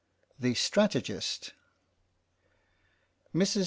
THE STRATEGIST MRS.